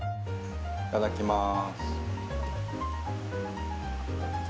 いただきます。